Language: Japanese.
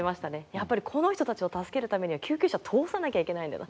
やっぱりこの人たちを助けるためには救急車通さなきゃいけないんだな